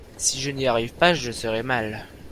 si je n'y arrive pas je serai mal.